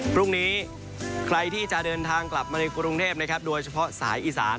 พรุ่งนี้ใครที่จะเดินทางกลับมาในกรุงเทพนะครับโดยเฉพาะสายอีสาน